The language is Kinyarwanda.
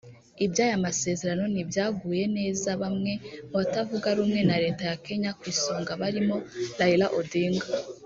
Iby’aya masezerano ntibyaguye neza bamwe mu batavuga rumwe na Leta ya Kenya ku isonga barimo Raila Odinga